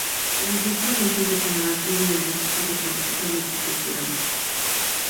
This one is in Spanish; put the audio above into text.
Las diez provincias de Canadá tienen algún tipo de política multicultural.